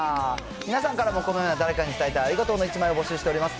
皆さんからもこのように、誰かに伝えたいありがとうの１枚を募集しております。